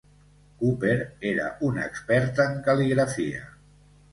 Cooper era un expert en cal·ligrafia.